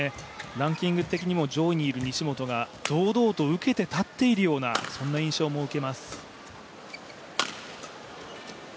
ランキング的にも上位にいる西本が、堂々と受けて立っているようなそんな印象も受けます。